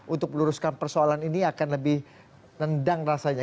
untuk luruskan persoalan ini akan lebih rendang rasanya